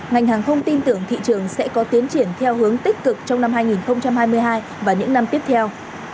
ngành hàng không tin tưởng thị trường sẽ có tiến triển theo hướng tích cực trong năm hai nghìn hai mươi hai và những năm tiếp theo